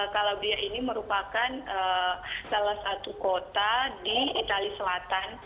kalabria ini merupakan salah satu kota di itali selatan